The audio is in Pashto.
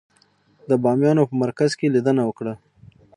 د بامیانو په مرکز کې لیدنه وکړه.